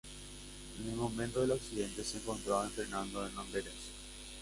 En el momento del accidente se encontraba entrenando en Amberes.